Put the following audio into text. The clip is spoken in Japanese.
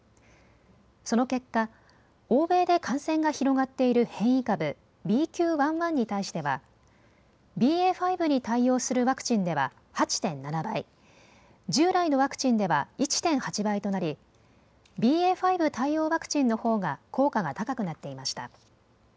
その結果、欧米で感染が広がっている変異株、ＢＱ．１．１に対してはＢＡ．５に対応するワクチンでは８．７倍、従来のワクチンでは１．８倍となりＢＡ．５対応ワクチンのほうが効果が高くなっていました。